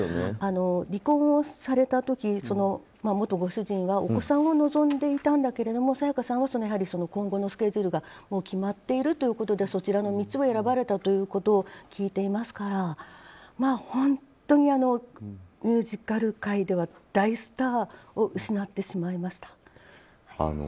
離婚をされた時、元ご主人がお子さんを望んでいたんだけれども沙也加さんは今後のスケジュールが決まっているというでそちらの道を選ばれたということを聞いていますから本当に、ミュージカル界では大スターを失ってしまいました。